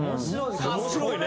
面白いね。